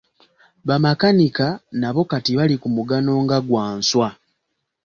Bamakanika nabo kati bali ku mugano nga gwa nswa.